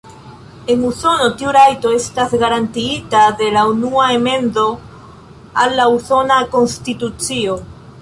En Usono tiu rajto estas garantiita de la Unua Amendo al la Usona Konstitucio.